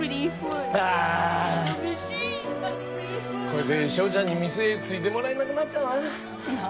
これで翔ちゃんに店継いでもらえなくなっちゃうな。